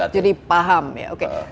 jadi paham ya